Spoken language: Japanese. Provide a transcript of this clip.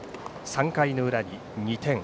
３回の裏に２点。